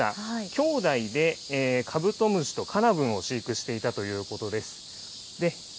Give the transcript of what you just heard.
兄弟でカブトムシとカナブンを飼育していたということです。